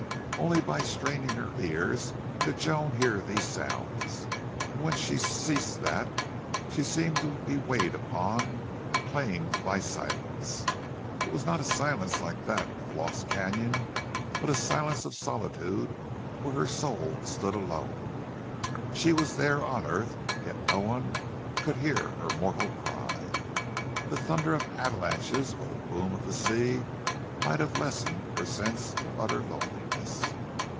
Only by straining her ears could Joan hear these sounds, and when she ceased that, then she seemed to be weighed upon and claimed by silence. It was not a silence like that of Lost Canon, but a silence of solitude where her soul stood alone. She was there on earth, yet no one could hear her mortal cry. The thunder of avalanches or the boom of the sea might have lessened her sense of utter loneliness.